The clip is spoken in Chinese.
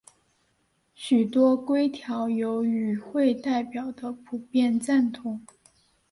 许多规条有与会代表的普遍赞同。